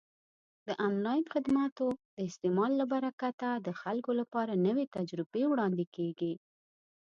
د آنلاین خدماتو د استعمال له برکته د خلکو لپاره نوې تجربې وړاندې کیږي.